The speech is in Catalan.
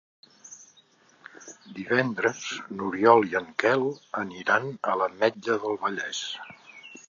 Divendres n'Oriol i en Quel aniran a l'Ametlla del Vallès.